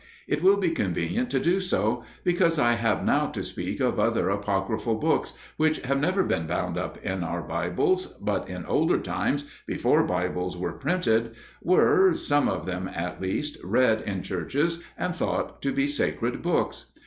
It will be convenient to do so, because I have now to speak of other apocryphal books, which have never been bound up in our Bibles, but in older times, before Bibles were printed, were (some of them at least) read in churches and thought to be sacred books.